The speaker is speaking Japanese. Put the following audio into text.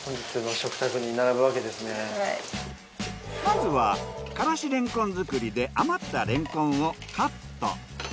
まずはからし蓮根作りで余ったレンコンをカット。